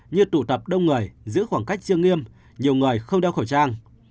như tụ tập đông người giữ khoảng cách chưa nghiêm nhiều người không đeo khẩu trang